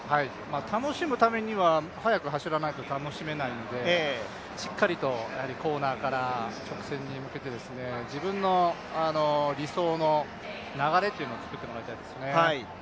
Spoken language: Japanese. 楽しむためには速く走らないと楽しめないんでしっかりとコーナーから直線に向けて自分の理想の流れというのを作ってもらいたいですね。